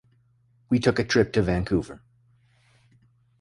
We took a trip to Vancouver.